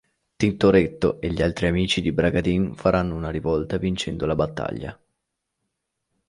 Tintoretto e gli altri amici di Bragadin faranno una rivolta vincendo la battaglia.